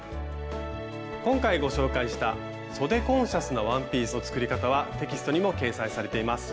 今回ご紹介した「そでコンシャスなワンピース」の作り方はテキストにも掲載されています。